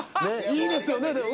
いいですよね。